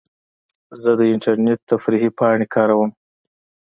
زه د انټرنیټ تفریحي پاڼې کاروم.